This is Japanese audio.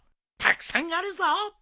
たくさんあるぞ。